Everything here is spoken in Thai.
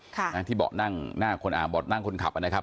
ค่ะนะที่เบาะนั่งหน้าคนอ่าเบาะนั่งคนขับอ่ะนะครับ